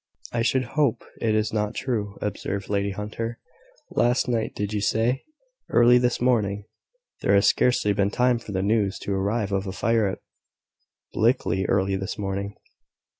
"I should hope it is not true," observed Lady Hunter. "Last night, did you say? Early this morning? There has scarcely been time for the news to arrive of a fire at Blickley early this morning."